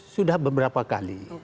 sudah beberapa kali